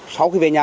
sau khi về nhà